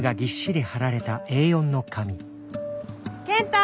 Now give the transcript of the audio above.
健太！